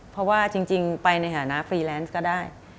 เพราะว่าจริงไปในฐานะฟรีแลนซ์ก็ได้